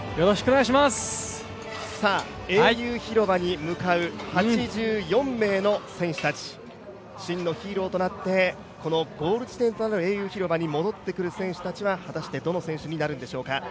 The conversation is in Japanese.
英雄広場に向かう８４名の選手たち真のヒーローとなってこのゴール地点となる英雄広場に戻ってくる選手は果たしてどの選手になるんでしょうか。